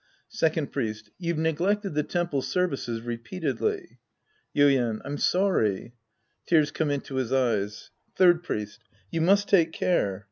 Second Priest. You've neglected the temple ser vices repeatedly. Yuien. I'm sorry. {Tears come into his eyes.) Third Priest. You must take care.